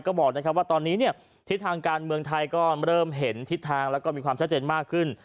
ก็บอกว่าตอนนี้ทิศทางการในเมืองไทยก็เริ่มเห็นทิศทางและมีความใซ่เจนมากขึ้น